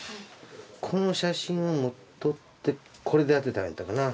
この写真を持っとってこれで当てたんやったかな。